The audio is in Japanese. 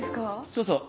そうそう。